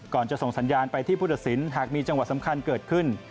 ก่อนจะส่งสัญญาณไปที่ผู้ตัดสินหากมีจังหวะสำคัญเกิดขึ้น